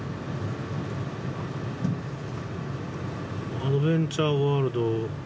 アドベンチャーワールド。